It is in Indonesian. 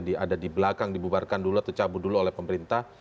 ada di belakang dibubarkan dulu atau cabut dulu oleh pemerintah